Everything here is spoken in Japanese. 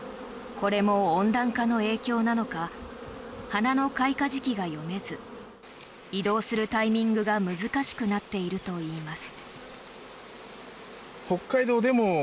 これも温暖化の影響なのか花の開花時期が読めず移動するタイミングが難しくなっているといいます。